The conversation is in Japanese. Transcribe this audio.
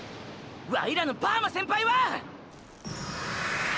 ワイらのパーマ先輩は！！